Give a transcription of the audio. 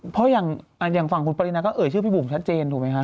เพราะอย่างฝั่งคุณปรินาก็เอ่ยชื่อพี่บุ๋มชัดเจนถูกไหมคะ